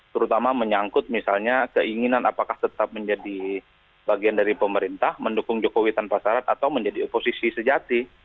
terutama menyangkut misalnya keinginan apakah tetap menjadi bagian dari pemerintah mendukung jokowi tanpa syarat atau menjadi oposisi sejati